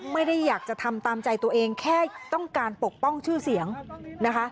ไม่ได้อยากจะทำตามใจตัวเองแค่ต้องการปกป้องชื่อเสียงนะคะ